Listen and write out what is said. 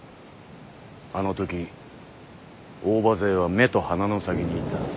あの時大庭勢は目と鼻の先にいた。